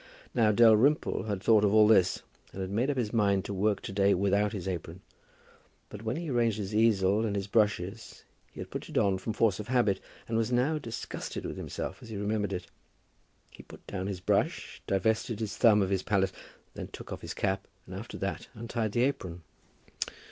Now Dalrymple had thought of all this, and had made up his mind to work to day without his apron; but when arranging his easel and his brushes, he had put it on from force of habit, and was now disgusted with himself as he remembered it. He put down his brush, divested his thumb of his palette, then took off his cap, and after that untied the apron.